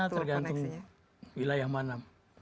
tergantung wilayah mana